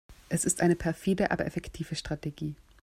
Es ist eine perfide, aber effektive Strategie.